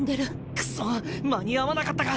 クソ間に合わなかったか。